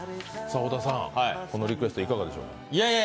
小田さん、このリクエスト、いかがでしょうか？